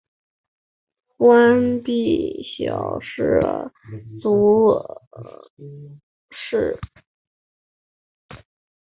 官币小社支付币帛乃至币帛料的神社。